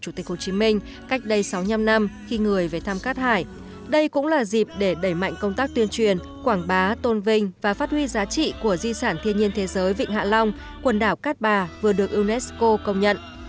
chủ tịch hồ chí minh cách đây sáu mươi năm năm khi người về thám cát hải đây cũng là dịp để đẩy mạnh công tác tuyên truyền quảng bá tôn vinh và phát huy giá trị của di sản thiên nhiên thế giới vịnh hạ long quần đảo cát bà vừa được unesco công nhận